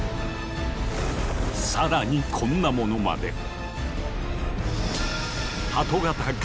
更にこんなものまで。